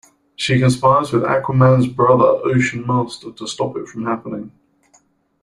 She conspires with Aquaman's brother Ocean Master to stop it from happening.